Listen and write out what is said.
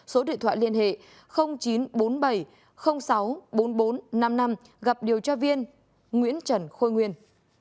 số điện thoại liên hệ chín trăm bốn mươi bảy sáu trăm bốn mươi bốn năm mươi năm gặp điều tra viên nguyễn trần khôi nguyên